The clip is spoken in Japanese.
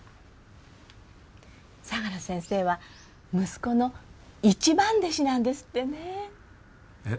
相良先生は息子の一番弟子なんですってね。えっ？